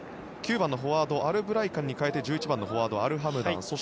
９番のフォワードアルブライカンに代えて１１番、フォワードアルハムダン。